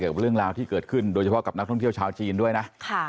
กับเรื่องราวที่เกิดขึ้นโดยเฉพาะกับนักท่องเที่ยวชาวจีนด้วยนะ